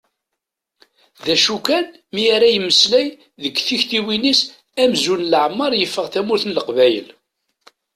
D acu kan mi ara yettmeslay, deg tiktiwin-is amzun leɛmer yeffeɣ tamurt n Leqbayel.